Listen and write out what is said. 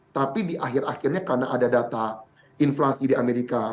tapi di akhir akhirnya karena ada data inflasi di amerika